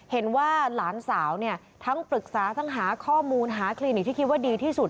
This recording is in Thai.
เห็นว่าหลานสาวเนี่ยทั้งปรึกษาทั้งหาข้อมูลหาคลินิกที่คิดว่าดีที่สุด